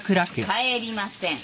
帰りません。